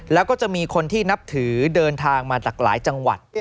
แล้วก็จะมีคนที่นับถือเดินทางมาจากหลายจังหวัด